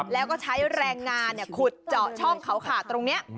แล้วก็ใช้แรงงานขุดเจาะช่องเขาขาดตรงนี้